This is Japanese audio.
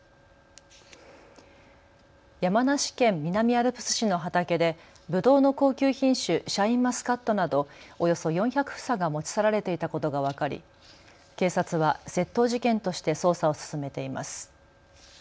山梨県南アルプス市の畑でぶどうの高級品種、シャインマスカットなどおよそ４００房が持ち去られていたことが分かり警察は窃盗事件として捜査を進めています。